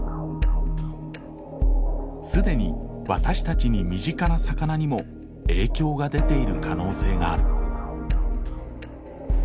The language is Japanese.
既に私たちに身近な魚にも影響が出ている可能性がある。